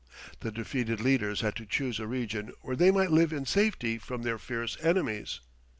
The defeated leaders had to choose a region where they might live in safety from their fierce enemies.